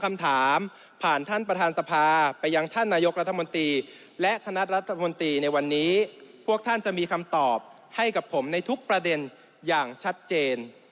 คำถามผ่านท่านประธานสภาไปยังท่านนายกรัฐมนตรีและคณะรัฐมนตรีในวันนี้พวกท่านจะมีคำตอบให้กับผมในทุกประเด็นอย่างชัดเจน